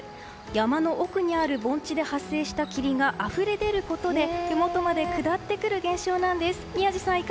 山の奥にある盆地で発生した霧があふれ出ることで、ふもとまで下ってくる現象なんです。